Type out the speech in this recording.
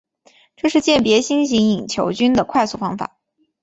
这是鉴别新型隐球菌的快速方法。